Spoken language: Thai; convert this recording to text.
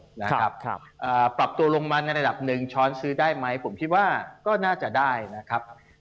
ส่วนปรับตัวลงมากระดับหนึ่งช้อนซื้อได้ไหมผมคิดว่าน่าจะได้นะครับ